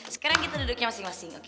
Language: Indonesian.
sekarang kita duduknya masing masing